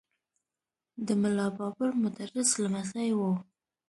د ملا بابړ مدرس لمسی و.